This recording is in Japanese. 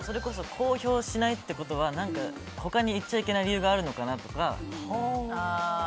公表しないということは何か他に言っちゃいけない理由があるのかなとか。